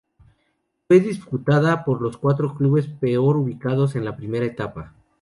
Fue disputada por los cuatro clubes peor ubicados en la Primera Etapa.